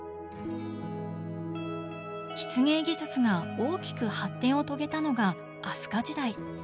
漆芸技術が大きく発展を遂げたのが飛鳥時代。